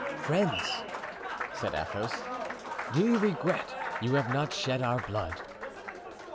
"Friends!" said Athos, "do you regret you have not shed our blood?"